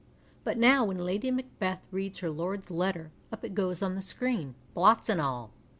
But now, when Lady Macbeth reads her lord's letter, up it goes on the screen, blots and all.